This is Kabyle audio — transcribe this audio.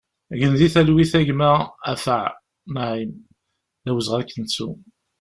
Gen di talwit a gma Afâa Naïm, d awezɣi ad k-nettu!